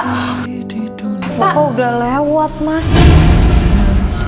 bapak udah lewat mas